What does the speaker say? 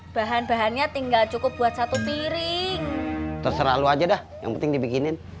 bahan bahannya tinggal cukup buat satu piring terus selalu aja dah yang penting dibikinin